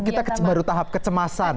kita baru tahap kecemasan